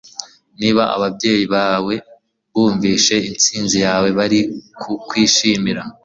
Niba ababyeyi bawe bumvise intsinzi yawe bari kukwishimira